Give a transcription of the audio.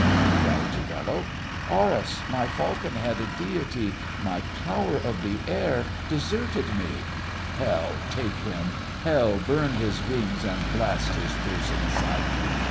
he tried to bellow. "Horus, my falcon headed deity, my power of the air, deserted me! Hell take him! Hell burn his wings and blast his piercing sight!